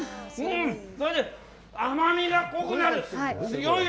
それで甘みが濃くなる。